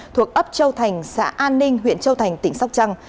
thuộc ấp châu thành xã an ninh huyện châu thành tỉnh sóc trăng